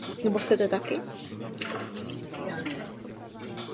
Na pozdější verzi obalu byla pouze fotografie členů kapely.